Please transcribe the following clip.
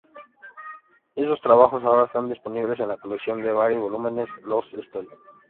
Esos trabajos ahora están disponibles en la colección de varios volúmenes "Lost Stories".